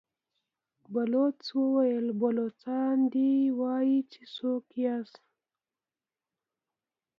بلوڅ وويل: بلوڅان دي، وايي چې څوک ياست؟